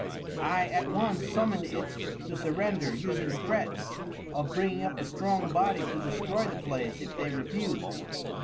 I at once summoned it to surrender, using threats of bringing up a strong body to destroy the place if they refused.